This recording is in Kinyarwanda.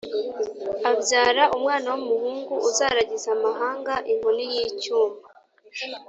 Abyara umwana w’umuhungu uzaragiza amahanga inkoni y’icyuma.